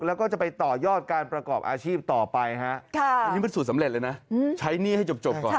แล้วก็จะไปต่อยอดการประกอบอาชีพต่อไปฮะอันนี้เป็นสูตรสำเร็จเลยนะใช้หนี้ให้จบก่อน